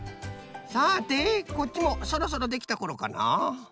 さてこっちもそろそろできたころかな？